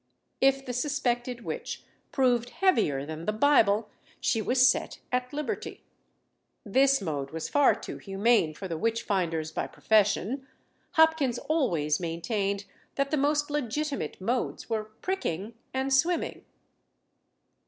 If the suspected witch proved heavier than the Bible, she was set at liberty. This mode was far too humane for the witch finders by profession. Hopkins always maintained that the most legitimate modes were pricking and swimming.